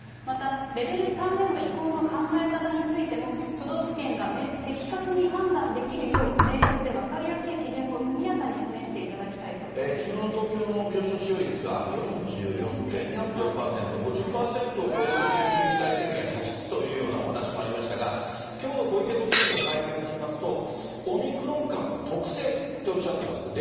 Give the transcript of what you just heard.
また、レベル３への移行の考え方についても、都道府県が的確に判断できるよう、明確で分かりやすい基準を速やかに示していただきたいということきのうの東京の病床使用率が４４．４％、５０％を超えると、緊急事態宣言発出というようなお話もありましたが、きょうの小池都知事の会見を聞きますと、オミクロン株の特性っておっしゃってます。